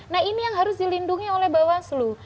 nah ini yang harus dilindungi oleh bawas lu